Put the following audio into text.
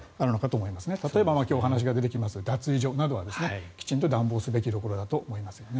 例えば今日お話が出てきます脱衣所などはきちんと暖房すべきところだと思いますね。